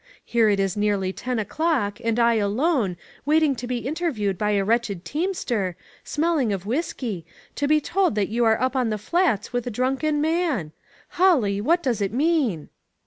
Here it is nearly ten o'clock, and I alone, waiting to be in terviewed by a wretched teamster, smelling of whiskey, to be told that you are up on the Flats with a drunken man ! Holly, what does it mean?"